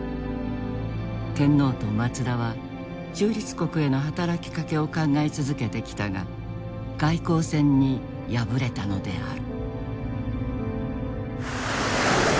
天皇と松田は中立国への働きかけを考え続けてきたが外交戦に敗れたのである。